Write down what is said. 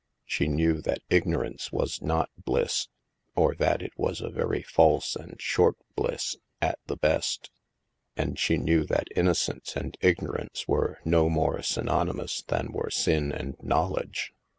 She knew that ignorance was not bliss, or that it was a very false and short bliss, at the best. And she knew that innocence and ig norance were no more synonymous than were sin and knowledge.